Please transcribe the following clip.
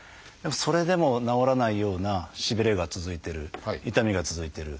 それでも治らないようなしびれが続いてる痛みが続いてる。